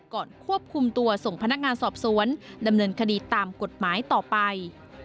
ควบคุมตัวส่งพนักงานสอบสวนดำเนินคดีตามกฎหมายต่อไป